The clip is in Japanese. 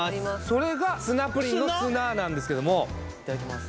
それが砂プリンの砂なんですけどもいただきます